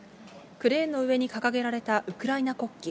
クレーンの上に掲げられたウクライナ国旗。